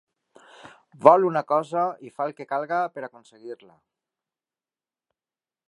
Vol una cosa i fa el que calgui per aconseguir-la.